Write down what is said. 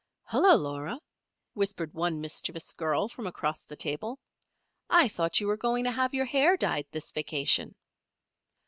"Hullo, Laura!" whispered one mischievous girl from across the table. "I thought you were going to have your hair dyed this vacation?"